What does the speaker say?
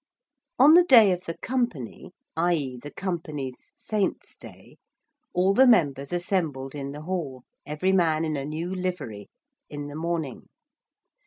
On the day of the Company, i.e. the Company's Saint's Day, all the members assembled in the Hall, every man in a new livery, in the morning.